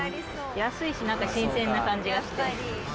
安いし新鮮な感じがして。